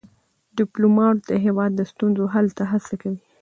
ډيپلومات د هیواد د ستونزو حل ته هڅه کوي.